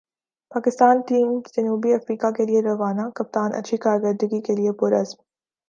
Pakistan team جنوبی افریقہ کیلئے روانہ کپتان اچھی کارکردگی کیلئے پر عزم